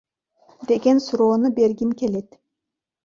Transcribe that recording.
деген суроону бергим келет.